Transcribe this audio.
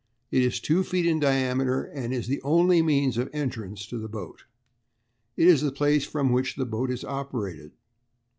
It is two feet in diameter, and is the only means of entrance to the boat. It is the place from which the boat is operated.